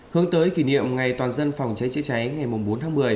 hướng tới kỷ niệm ngày toàn dân phòng cháy chữa cháy ngày bốn tháng một mươi